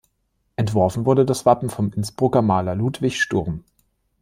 Entworfen wurde das Wappen vom Innsbrucker Maler Ludwig Sturm.